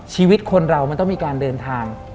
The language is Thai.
ชีวิตคนเรามันต้องมีการเดินทาง